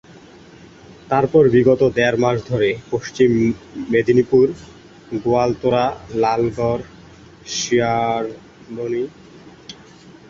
তারপর বিগত এক-দেড়মাস ধরে পশ্চিম মেদিনীপুরের গোয়ালতোড়-লালগড়-শিয়াড়বনী-বাঘঘরা-চাঁদড়া-গুড়গুড়িপাল সংলগ্ন বনাঞ্চলে ঐ বাঘের উপস্থিতির প্রমাণ হিসেবে পায়ের ছাপ পাওয়া যাচ্ছিল।